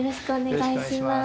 よろしくお願いします。